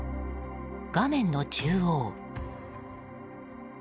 画面の中央。